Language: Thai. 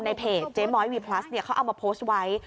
ในเพจเจ้าม้อยวีพลัสเอามาโพสต์ไว้